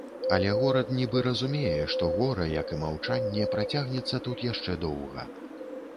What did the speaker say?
Але горад нібы разумее, што гора, як і маўчанне, працягнецца тут яшчэ доўга.